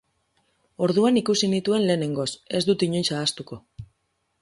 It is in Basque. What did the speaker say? Orduan ikusi nituen lehenengoz, ez dut inoiz ahaztuko.